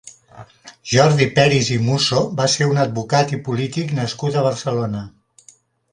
Jordi Peris i Musso va ser un advocat i polític nascut a Barcelona.